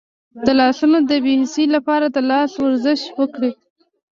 د لاسونو د بې حسی لپاره د لاس ورزش وکړئ